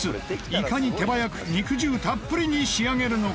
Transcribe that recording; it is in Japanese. いかに手早く肉汁たっぷりに仕上げるのか？